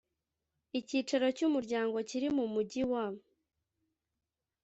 icyicaro cy umuryango kiri mu mujyi wa